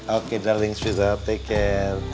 oke darlings take care